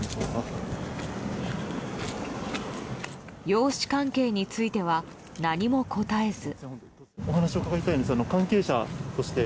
養子関係については何も答えず。